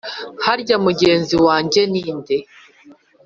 Harya mugenzi wanjye ni nde